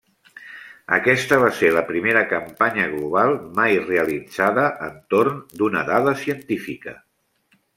Aquesta va ser la primera campanya global mai realitzada entorn d'una dada científica.